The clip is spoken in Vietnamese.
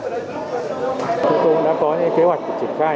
chúng tôi đã có những kế hoạch triển khai